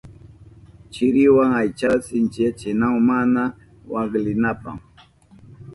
Chiriwa aychata sinchiyachinahun mana waklinanpa.